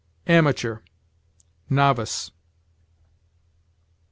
AMATEUR NOVICE.